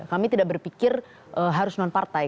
kami tidak berpikir harus non partai